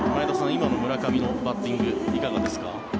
今の村上のバッティングいかがですか。